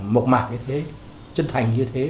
mộc mạc như thế chân thành như thế